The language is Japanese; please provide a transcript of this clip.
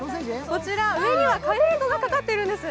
こちら、上にはカレー粉がかかっているんです。